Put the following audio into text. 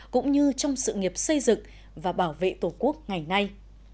cũng như trong sự nghiệp xây dựng và bảo vệ tổ quốc ngày nay